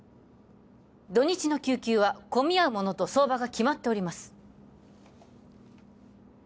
土日の救急は混み合うものと相場が決まっております